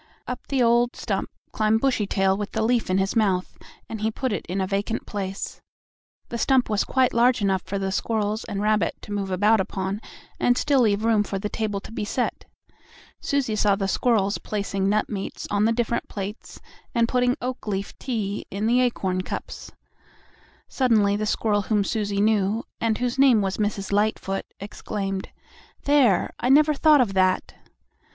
Up the old stump climbed Bushytail with the leaf in his mouth, and he put it in a vacant place. The stump was quite large enough for the squirrels and rabbit to move about upon and still leave room for the table to be set. Susie saw the squirrels placing nut meats on the different plates and putting oak leaf tea into the acorn cups. Suddenly the squirrel whom Susie knew and whose name was Mrs. Lightfoot, exclaimed: "There! I never thought of that!"